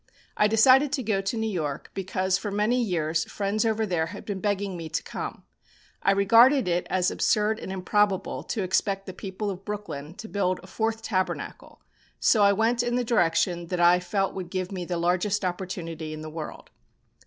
I decided to go to New York because for many years friends over there had been begging me to come. I regarded it as absurd and improbable to expect the people of Brooklyn to build a fourth Tabernacle, so I went in the direction that I felt would give me the largest opportunity in the world.